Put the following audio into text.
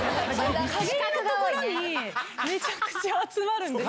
かげりの所にめちゃくちゃ集まるんですよ。